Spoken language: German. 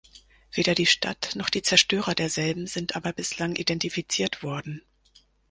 Weder die Stadt noch die Zerstörer derselben sind aber bislang identifiziert worden.